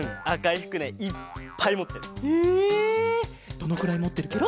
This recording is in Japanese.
どのくらいもってるケロ？